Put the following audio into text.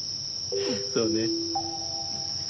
そうね。